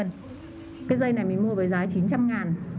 cái dây này mình mua với giá chín trăm linh